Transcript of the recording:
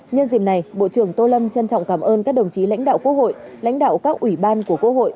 nhân dịp này bộ trưởng tô lâm trân trọng cảm ơn các đồng chí lãnh đạo quốc hội lãnh đạo các ủy ban của quốc hội